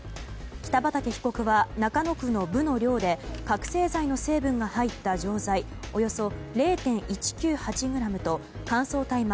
北畠被告は、中野区の部の寮で覚醒剤の成分が入った錠剤およそ０．１９８ｇと乾燥大麻